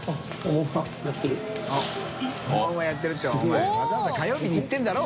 オモウマやってる」ってお前錣兇錣火曜日に行ってるんだろ？